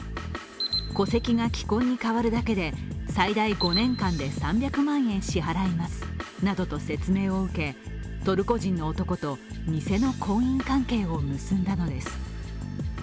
戸籍が既婚に変わるだけで、最大５年間で３００万円支払いますなどと説明を受け、トルコ人の男と偽の婚姻関係を結んだのです。